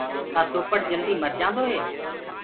ڪآ سوپٽ جلدي مر جآندو هي؟